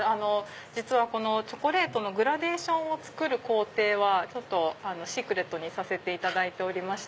実はチョコレートのグラデーションを作る工程はシークレットにさせていただいておりまして。